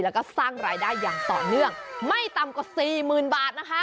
แล้วก็สร้างรายได้อย่างต่อเนื่องไม่ต่ำกว่าสี่หมื่นบาทนะคะ